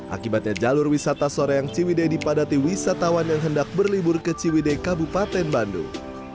akibatnya jalur wisata soreang ciwide dipadati wisatawan yang hendak berlibur ke ciwide kabupaten bandung